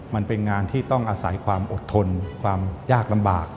มันเป็นงานที่ต้องอาศัยความอดทนความยากลำบาก